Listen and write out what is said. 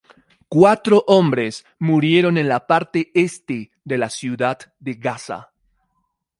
Cuatro hombres murieron en la parte este de la ciudad de Gaza.